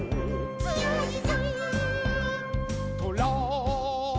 「つよいぞ」